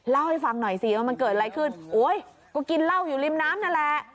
เล่าให้ฟังหน่อยสิว่ามันเกิดอะไรขึ้นโอ๊ยก็กินเหล้าอยู่ริมน้ำนั่นแหละ